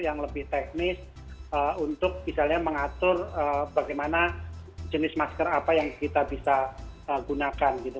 yang lebih teknis untuk misalnya mengatur bagaimana jenis masker apa yang kita bisa gunakan gitu